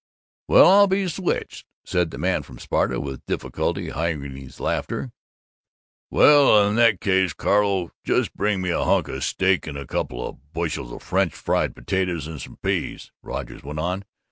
"Well, I'll be switched!" said the man from Sparta, with difficulty hiding his laughter. "Well, in that case, Carlo, just bring me a hunk o' steak and a couple o' bushels o' French fried potatoes and some peas," Rogers went on.